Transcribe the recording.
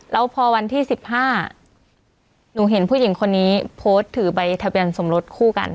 แล้วพอวันที่๑๕หนูเห็นผู้หญิงคนนี้โพสต์ถือใบทะเบียนสมรสคู่กัน